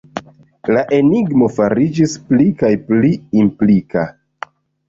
La enigmo fariĝis pli kaj pli implika.